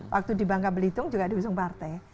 waktu di bangka belitung juga diusung partai